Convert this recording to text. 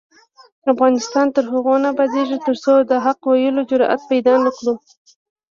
افغانستان تر هغو نه ابادیږي، ترڅو د حق ویلو جرات پیدا نکړو.